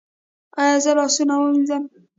ایا زه لاسونه ووینځم؟